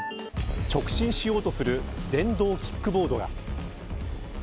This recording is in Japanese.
直進しようとする電動キックボードが。